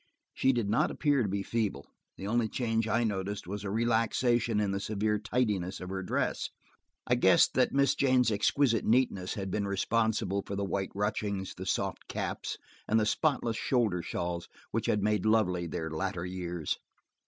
She did not appear to be feeble; the only change I noticed was a relaxation in the severe tidiness of her dress. I guessed that Miss Jane's exquisite neatness had been responsible for the white ruchings, the soft caps, and the spotless shoulder shawls which had made lovely their latter years.